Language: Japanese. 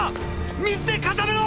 水で固めろ！！